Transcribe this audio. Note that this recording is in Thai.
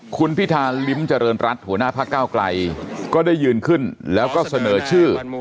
คุณพิธาลิ้มเจริญรัฐหัวหน้าพระเก้าไกลก็ได้ยืนขึ้นแล้วก็เสนอชื่อ